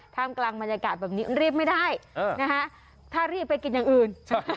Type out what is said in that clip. ตามกลางบรรยากาศนี้รีบไม่ได้ถ้ารีบไปกินอื่น